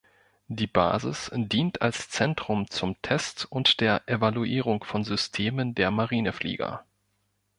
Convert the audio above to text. Die Basis dient als Zentrum zum Test und der Evaluierung von Systemen der Marineflieger.